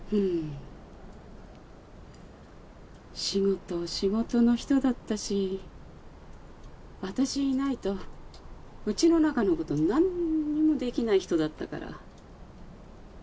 仕事仕事の人だったし私いないとうちの中のことなんにもできない人だったから。